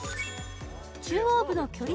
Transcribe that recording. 中央部の距離